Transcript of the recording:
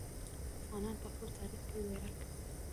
افغانان په خپل تاریخ ویاړ کوي.